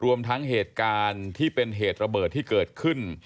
รวมทั้งเหตุการณ์ที่เป็นเหตุระเบิดที่เกิดขึ้น